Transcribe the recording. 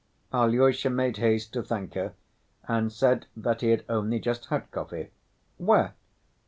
Alyosha made haste to thank her, and said that he had only just had coffee. "Where?"